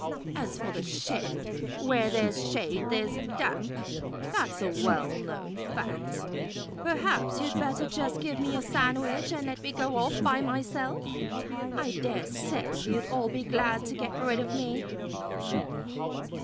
As for the shade, where there's shade there's damp. That's a well known fact. Perhaps you'd better just give me a sandwich and let me go off by myself. I dare say you'll all be glad to get rid of me."